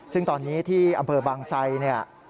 ซึ่งตอนนี้ที่อำเภอบางไซเนี่ย